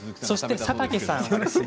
そして佐竹さん